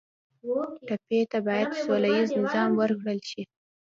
ټپي ته باید سوله ییز پیغام ورکړل شي.